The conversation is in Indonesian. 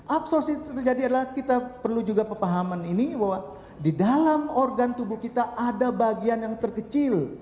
absorsis terjadi adalah kita perlu juga pemahaman ini bahwa di dalam organ tubuh kita ada bagian yang terkecil